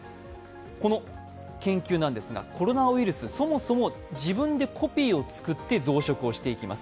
この研究ですが、コロナウイルスはそもそも自分でコピーをつくって増殖していきます。